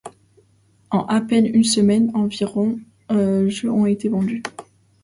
En à peine une semaine, environ jeux ont été vendus.